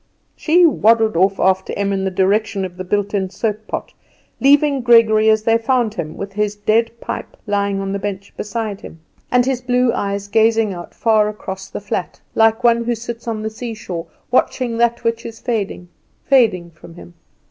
She waddled off after Em in the direction of the built in soap pot, leaving Gregory as they found him, with his dead pipe lying on the bench beside him, and his blue eyes gazing out far across the flat, like one who sits on the seashore watching that which is fading, fading from him.